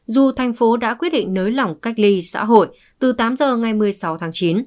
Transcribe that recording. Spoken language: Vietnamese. dù thành phố đã quyết định nới lỏng cách ly xã hội từ tám giờ ngày một mươi sáu tháng chín